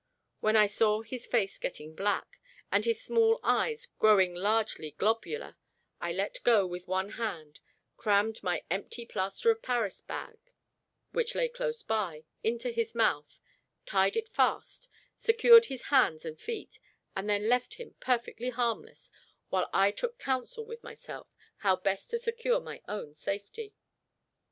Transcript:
When I saw his face getting black, and his small eyes growing largely globular, I let go with one hand, crammed my empty plaster of Paris bag, which lay close by, into his mouth, tied it fast, secured his hands and feet, and then left him perfectly harmless, while I took counsel with myself how best to secure my own safety.